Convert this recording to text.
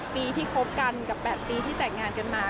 ปีที่คบกันกับ๘ปีที่แต่งงานกันมา